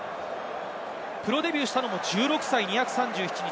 プロデビューしたのも１６歳２３７日。